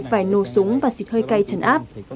phải nổ súng và xịt hơi cay trần áp